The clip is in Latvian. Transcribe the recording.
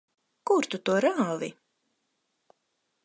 Kur tu to rāvi?